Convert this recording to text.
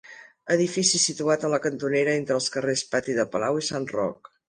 Edifici situat en la cantonera entre els carrers Pati de Palau i Sant Roc.